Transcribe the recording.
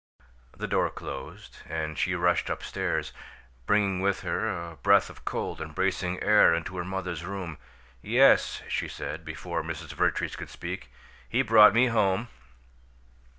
The door closed, and she rushed up stairs, bringing with her a breath of cold and bracing air into her mother's room. "Yes," she said, before Mrs. Vertrees could speak, "he brought me home!"